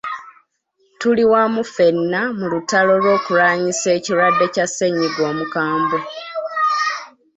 Tuli wamu ffenna mu lutalo lw'okulwanyisa ekirwadde kya ssennyiga omukambwe.